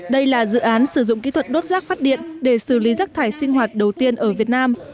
đây là dự án sử dụng kỹ thuật đốt rác phát điện để xử lý rác thải sinh hoạt đầu tiên ở việt nam